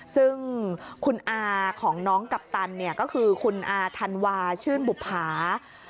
ซึ่งคุณอาของน้องกัปตันเนี่ยก็คือคุณอาธันวาชื่นบุภา